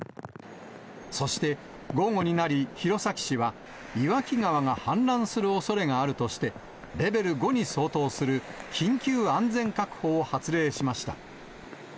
そして、午後になり弘前市は岩木川が氾濫するおそれがあるとして、レベル５に相当する緊急安全確保を発令しました。